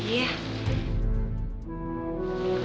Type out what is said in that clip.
kenapa salah selama ini